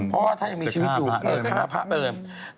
เพราะว่าถ้ายังมีชีวิตอยู่เกิดฆ่าพระเอิม